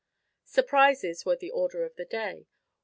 Surprises were the order of the day.